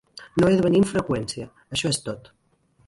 No he de venir amb freqüència, això és tot.